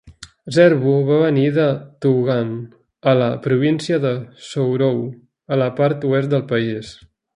Zerbo va venir de Tougan, a la província de Sourou, a la part oest del país.